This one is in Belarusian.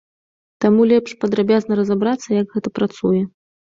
Таму лепш падрабязна разабрацца, як гэта працуе.